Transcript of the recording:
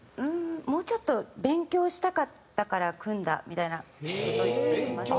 「もうちょっと勉強したかったから組んだ」みたいな事言っていました。